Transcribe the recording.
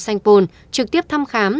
sanh vôn trực tiếp thăm khám